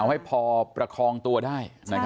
ให้พอประคองตัวได้